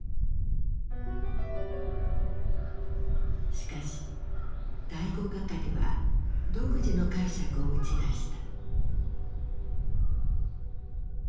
しかし第五係は独自の解釈を打ち出した。